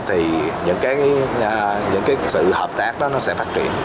thì những cái sự hợp tác đó nó sẽ phát triển